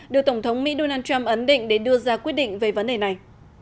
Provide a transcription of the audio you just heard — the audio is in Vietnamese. được tổng thống mỹ donald trump ấn định để đưa ra quyết định về vấn đề này